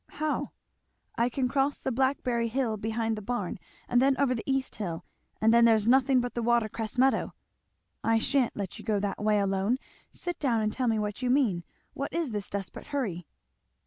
"How?" "I can cross the blackberry hill behind the barn and then over the east hill, and then there's nothing but the water cress meadow." "I sha'n't let you go that way alone sit down and tell me what you mean, what is this desperate hurry?"